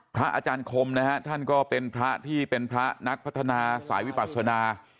พระอาจารย์คมนะฮะท่านก็เป็นพระที่เป็นพระนักพัฒนาสายวิปัสนา